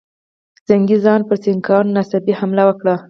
زنګي خان پر سیکهانو ناڅاپي حمله وکړه.